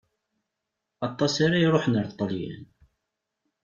Aṭas ara iṛuḥen ar Ṭelyan.